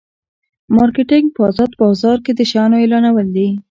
مارکیټینګ په ازاد بازار کې د شیانو اعلانول دي.